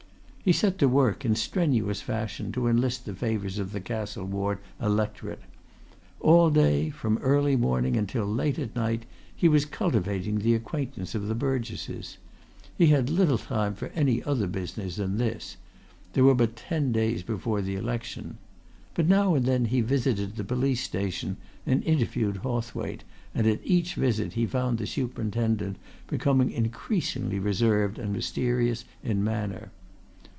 He set to work, in strenuous fashion, to enlist the favours of the Castle Ward electorate. All day, from early morning until late at night, he was cultivating the acquaintance of the burgesses. He had little time for any other business than this there were but ten days before the election. But now and then he visited the police station and interviewed Hawthwaite; and at each visit he found the superintendent becoming increasingly reserved and mysterious in manner.